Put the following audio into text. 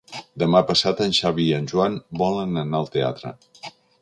Demà passat en Xavi i en Joan volen anar al teatre.